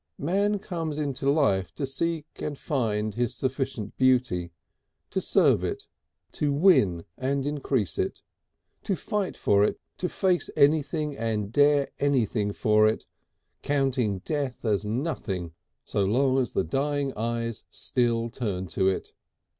Man comes into life to seek and find his sufficient beauty, to serve it, to win and increase it, to fight for it, to face anything and dare anything for it, counting death as nothing so long as the dying eyes still turn to it.